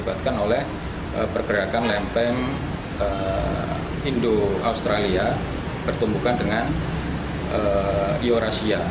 dibuatkan oleh pergerakan lempen indo australia bertumbuhkan dengan eurasia